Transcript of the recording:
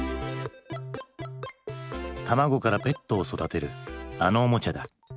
たまごからペットを育てるあのおもちゃだ。